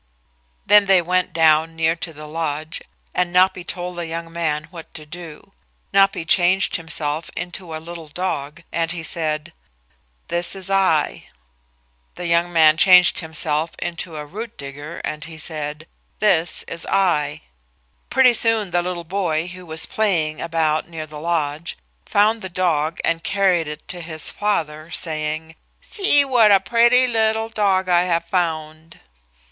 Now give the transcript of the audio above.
Then they went down near to the lodge and Napi told the young man what to do. Napi changed himself into a little dog, and he said, "This is I." The young man changed himself into a root digger and he said, "This is I." Pretty soon the little boy, who was playing about near the lodge, found the dog and carried it to his father, saying, "See what a pretty little dog I have found."